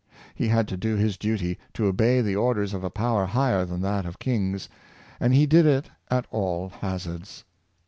" He had to do his duty — to obey the orders of a power higher than that of kings ; and he did it at all hazards.